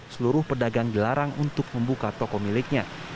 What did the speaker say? seluruh pedagang dilarang untuk membuka toko miliknya